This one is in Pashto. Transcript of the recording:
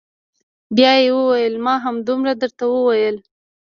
بيا يې وويل ما همدومره درته وويل.